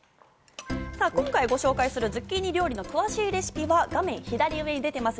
今回ご紹介するズッキーニ料理の詳しいレシピは画面左上に出ています